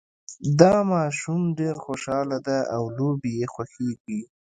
دا ماشوم ډېر خوشحاله ده او لوبې یې خوښیږي